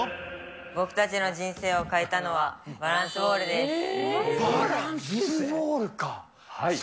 僕たちの人生を変えたのは、バランスボールか。